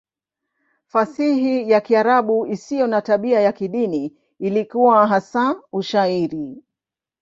Fasihi ya Kiarabu isiyo na tabia ya kidini ilikuwa hasa Ushairi.